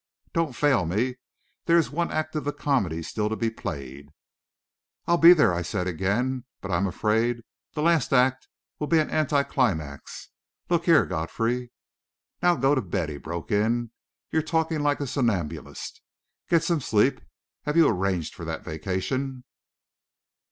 "Don't fail me. There is one act of the comedy still to be played." "I'll be there," I said again. "But I'm afraid the last act will be an anti climax. Look here, Godfrey...." "Now go to bed," he broke in; "you're talking like a somnambulist. Get some sleep. Have you arranged for that vacation?"